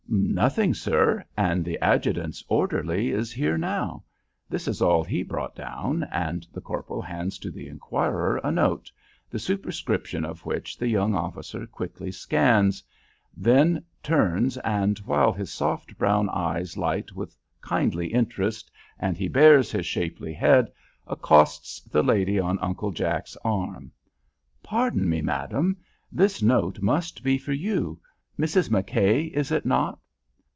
"Nothing, sir, and the adjutant's orderly is here now. This is all he brought down," and the corporal hands to the inquirer a note, the superscription of which the young officer quickly scans; then turns and, while his soft brown eyes light with kindly interest and he bares his shapely head, accosts the lady on Uncle Jack's arm, "Pardon me, madam. This note must be for you. Mrs. McKay, is it not?"